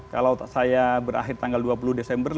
kalau saya berakhir tanggal dua puluh desember